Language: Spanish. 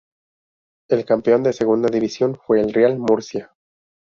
El campeón de Segunda División fue el Real Murcia.